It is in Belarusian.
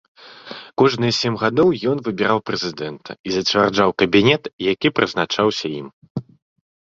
Кожныя сем гадоў ён выбіраў прэзідэнта і зацвярджаў кабінет, які прызначаўся ім.